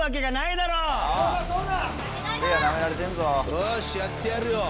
よしやってやるよ！